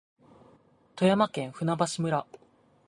富山県舟橋村